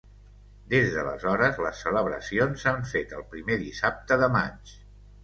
Des d'aleshores, les celebracions s'han fet el primer dissabte de maig.